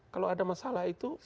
kalau ada masalah itu